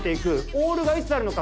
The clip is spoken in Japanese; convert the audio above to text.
オールがいつあるのか？